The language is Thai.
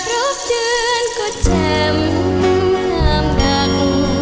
รอบเดือนก็แจ้มน้ำดัง